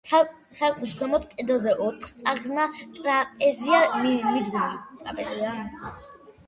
სარკმლის ქვემოთ, კედელზე ოთხწახნაგა ტრაპეზია მიდგმული.